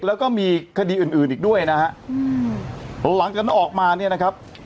แล้วก็มีคดีอื่นอื่นอีกด้วยนะฮะอืมหลังจากนั้นออกมาเนี่ยนะครับ